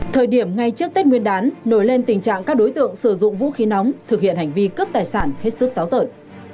thời điểm ngay trước tết nguyên đán nổi lên tình trạng các đối tượng sử dụng vũ khí nóng thực hiện hành vi cướp tài sản hết sức táo tợn